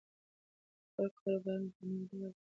خپل کاروبار مې په نوي ډول پیل کړ.